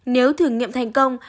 nếu thử nghiệm thành công